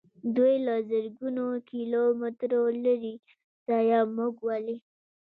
دوی له زرګونو کیلو مترو لیرې ځایه موږ ولي.